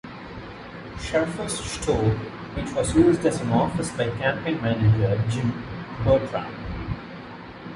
Shaefer's store which was used as an office by campaign manager Jim Buttram.